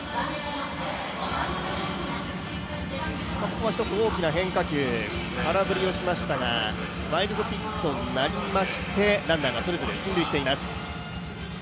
ここは１つ、大きな変化球、空振りをしましたがワイルドピッチとなりまして、ランナーがそれぞれ進塁しています。